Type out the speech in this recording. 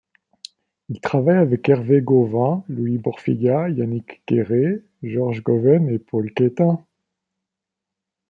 Il travaille avec Hervé Gauvain, Louis Borfiga, Yannick Queré, Georges Goven et Paul Quétin.